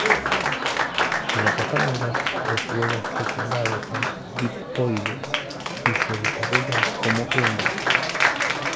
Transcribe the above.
En otras palabras los huevos fecundados son diploides y se desarrollan como hembras.